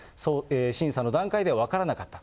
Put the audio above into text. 審査の段階で分からなかった。